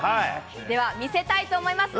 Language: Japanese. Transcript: では、見せたいと思います。